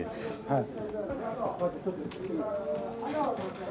はい。